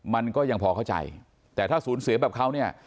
มันก็ยังพอเข้าใจแต่ถ้าสูญเสียแบบเขาเนี่ย